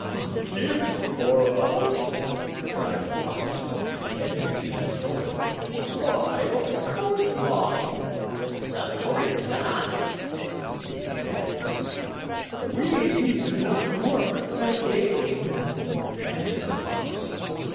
"A gift for us?" cried the Fox, pretending to be insulted. "Why, of course not!" "Of course not!" repeated the Cat. "We do not work for gain," answered the Fox.